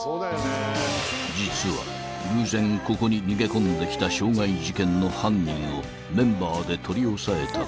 ［実は偶然ここに逃げ込んできた傷害事件の犯人をメンバーで取り押さえたことが］